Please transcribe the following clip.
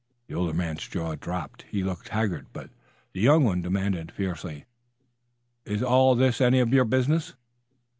The older man's jaw dropped. He looked haggard. But the younger one demanded, fiercely: "Is all this any of your business?"